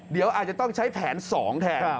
เดี๋ยวอาจจะต้องใช้แผน๒แทน